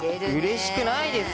嬉しくないですか？